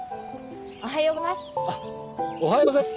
おはよう！おはようございます！